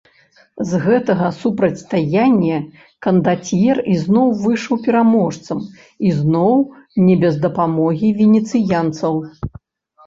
З гэтага супрацьстаяння кандацьер ізноў выйшаў пераможцам, ізноў не без дапамогі венецыянцаў.